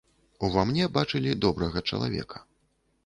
Ува мне бачылі добрага чалавека.